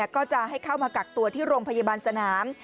ก็จะให้เข้ามากักตัวที่โรงพยาบาลสนาม